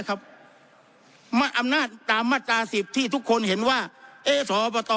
อำนาจตามมาตราสิบที่ทุกคนเห็นว่าเอ๊ะสอบต